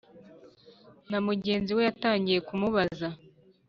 namugenzi we yatangiye kumubaza